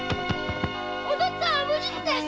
お父っつぁんは無実です！